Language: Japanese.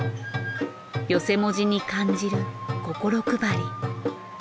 寄席文字に感じる心配り。